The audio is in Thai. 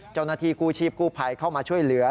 เจ้าหน้าที่กู้ชีพกู้ภัยเข้ามาช่วยเหลือ